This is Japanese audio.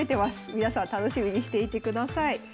皆さん楽しみにしていてください。